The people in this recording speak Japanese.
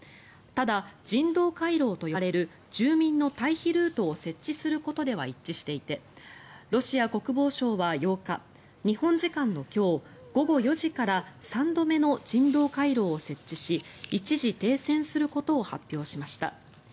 ただ、人道回廊と呼ばれる住民の退避ルートを設置することでは一致していてロシア国防省は８日日本時間の今日午後４時から３度目の人道回廊を設置し一時停戦することを発表しました。